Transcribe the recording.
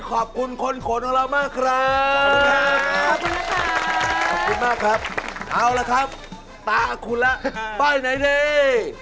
ขอบคุณมากครับเอาละครับตาคุณละป้ายไหนดี